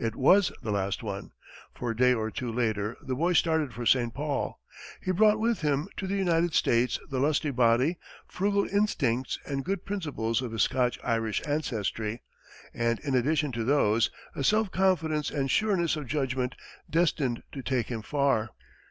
It was the last one, for a day or two later the boy started for St. Paul. He brought with him to the United States the lusty body, frugal instincts and good principles of his Scotch Irish ancestry, and, in addition to those, a self confidence and sureness of judgment destined to take him far.